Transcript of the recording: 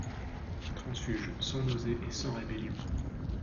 Transfuge, sans nausée et sans rébellion